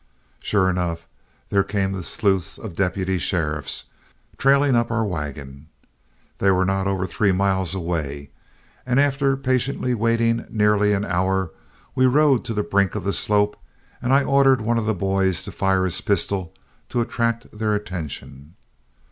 Sure enough, there came the sleuths of deputy sheriffs, trailing up our wagon. They were not over three miles away, and after patiently waiting nearly an hour, we rode to the brink of the slope, and I ordered one of the boys to fire his pistol to attract their attention.